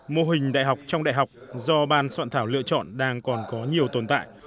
mô hình đại học trong đại học do ban soạn thảo lựa chọn đang còn có nhiều tồn tại